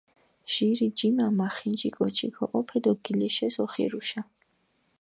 ჟირი ჯიმა მახინჯი კოჩი ქოჸოფე დო გილეშეს ოხირუშა.